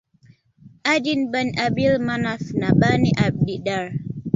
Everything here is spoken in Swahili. Adiyy Bani Abdil Manaaf na Bani Abdid Daar